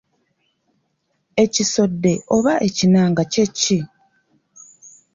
Ekisodde oba ekinanga kye ki?